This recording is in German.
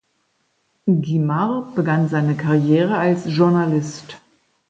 Guimard begann seine Karriere als Journalist.